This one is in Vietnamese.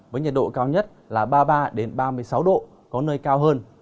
với nhiệt độ cao nhất là ba mươi ba ba mươi sáu độ có nơi cao hơn